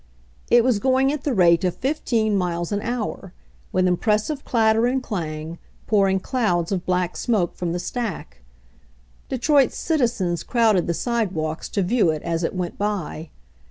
It was going at the rate of fifteen miles an hour, with impressive clatter and clang, pouring clouds of black smoke from the stack. Detroit's citizens crowded the sidewalks to view it as it went by.